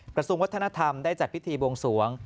กระทรวงวัฒนธรรมได้จัดพิธีบวงสวง